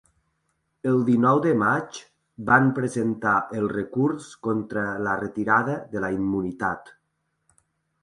El dinou de maig van presentar el recurs contra la retirada de la immunitat.